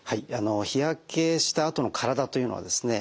日焼けしたあとの体というのはですね